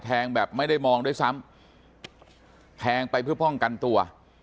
แบบไม่ได้มองด้วยซ้ำแทงไปเพื่อป้องกันตัว